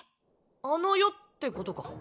あの世ってことか？